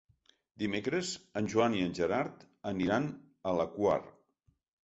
Dimecres en Joan i en Gerard aniran a la Quar.